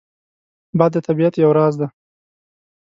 باد د طبیعت یو راز دی